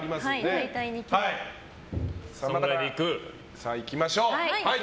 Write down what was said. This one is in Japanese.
さあ、いきましょう。